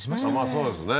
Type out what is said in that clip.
そうですね